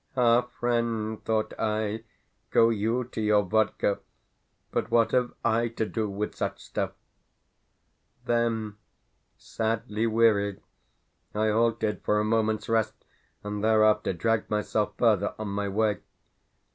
"Ah, friend," thought I, "go YOU to your vodka, but what have I to do with such stuff?" Then, sadly weary, I halted for a moment's rest, and thereafter dragged myself further on my way.